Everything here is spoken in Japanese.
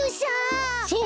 そう！